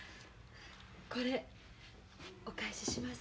これお返しします。